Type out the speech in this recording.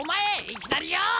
いきなりよ！